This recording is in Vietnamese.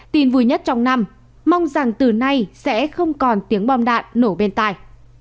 tin vui nhất trong năm mong rằng từ nay sẽ không còn tiếng bom đạn nổ bên tài